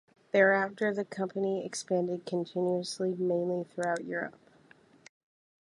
Thereafter, the company expanded continuously and mainly throughout Europe.